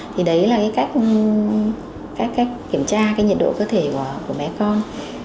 thì đấy là cách kiểm tra nhiệt độ cơ thể của bé con